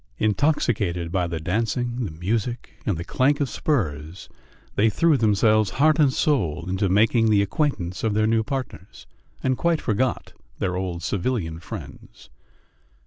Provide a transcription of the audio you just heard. Intoxicated by the dancing, the music, and the clank of spurs, they threw themselves heart and soul into making the acquaintance of their new partners, and quite forgot their old civilian friends.